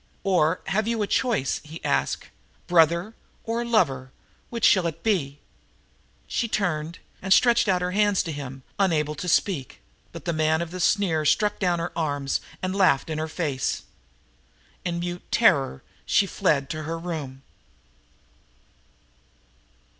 "Or have you a choice?" he asked. "Brother or lover, which shall it be?" She turned and stretched out her hands to him, unable to speak; but the man of the sneer struck down her arms and laughed in her face. In mute terror she fled to her room.